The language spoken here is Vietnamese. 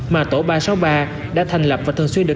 mà tổ ba trăm sáu mươi ba đã thành lập và thường xuyên được